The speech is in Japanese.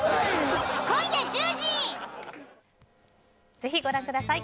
ぜひご覧ください。